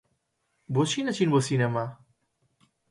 بۆچی نەچین بۆ سینەما؟